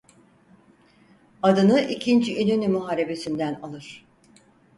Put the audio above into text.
Adını İkinci İnönü Muharebesi'nden alır.